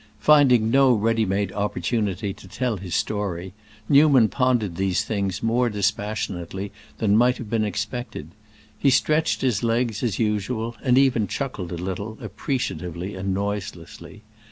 Finding no ready made opportunity to tell his story, Newman pondered these things more dispassionately than might have been expected; he stretched his legs, as usual, and even chuckled a little, appreciatively and noiselessly.